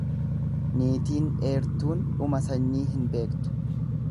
Niitiin dheertuun dhuma sanyii hin beektu.